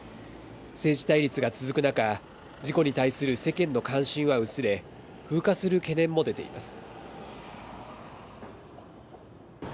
政治対立が続く中、事故に対する世間の関心は薄れ、風化する懸念も出ています。